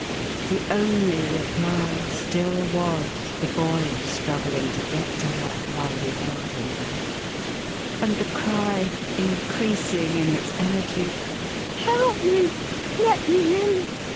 fl The only reply still was, the boy struggling to get to her, while he held him back ; and the cry, increasing in its energy, " Help ! let me in.